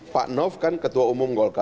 pak nof kan ketua umum golkar